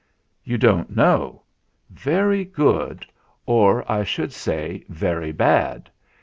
"You don't know ! very good or, I should say, very bad.